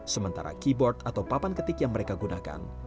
sementara keyboard atau papan ketik yang mereka gunakan